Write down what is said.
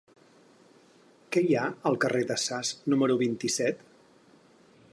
Què hi ha al carrer de Sas número vint-i-set?